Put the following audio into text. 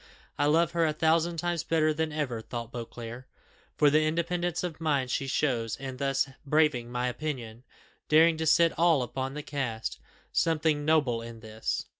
"I love her a thousand times better than ever," thought Beauclerc, "for the independence of mind she shows in thus braving my opinion, daring to set all upon the cast something noble in this!